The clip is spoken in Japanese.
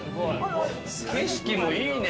景色もいいね。